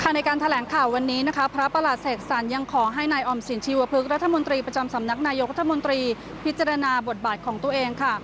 ในการแถลงข่าววันนี้นะคะพระประหลาดเสกสรรยังขอให้นายออมสินชีวพฤกษ์รัฐมนตรีประจำสำนักนายกรัฐมนตรีพิจารณาบทบาทของตัวเองค่ะ